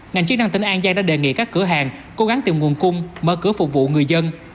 ngành chức năng tỉnh an giang đã đề nghị các cửa hàng cố gắng tìm nguồn cung mở cửa phục vụ người dân